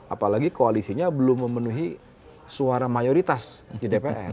apalagi koalisinya belum memenuhi suara mayoritas di dpr